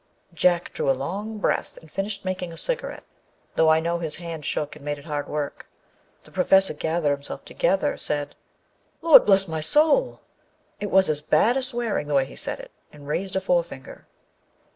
Jack drew a long breath and finished making a cigarette, though I know his hand shook and made it hard work. The Professor gathered himself together, said " Lord bless my soul !" â it was as bad as swear ing, the way he said it, â and raised a forefinger.